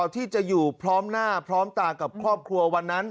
ที่จะอยู่พร้อมหน้าพร้อมตากับครอบครัววันนั้น